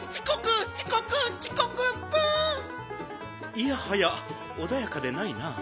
いやはやおだやかでないな。